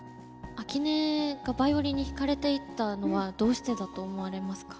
秋音がヴァイオリンに惹かれていったのはどうしてだと思われますか？